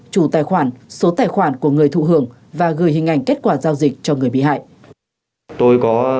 chủ tài khoản số tài khoản của người thụ hưởng và gửi hình ảnh kết quả giao dịch cho người bị hại